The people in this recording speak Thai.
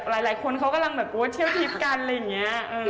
หลายคนเขากำลังแบบว่าเที่ยวทิพย์กันอะไรอย่างนี้